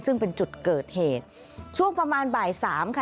ซึ่งเป็นจุดเกิดเหตุช่วงประมาณบ่ายสามค่ะ